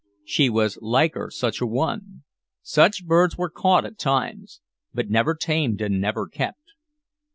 She was liker such an one. Such birds were caught at times, but never tamed and never kept.